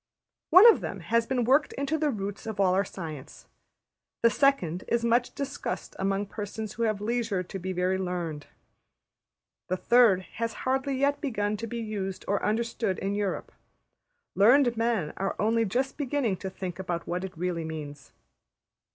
One of them has been worked into the roots of all our science; the second is much discussed among persons who have leisure to be very learned. The third has hardly yet begun to be used or understood in Europe; learned men are only just beginning to think about what it really means.